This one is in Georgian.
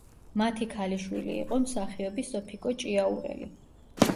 მათი ქალიშვილი იყო მსახიობი სოფიკო ჭიაურელი.